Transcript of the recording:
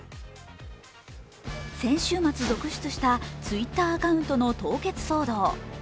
先週末続出した、Ｔｗｉｔｔｅｒアカウントの凍結騒動。